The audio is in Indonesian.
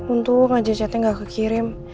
untung aja chatnya gak kekirim